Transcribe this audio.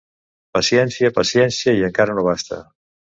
Paciència, paciència i encara no basta.